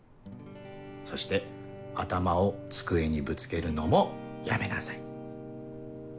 そして頭を机にぶつけるのもやめなさい。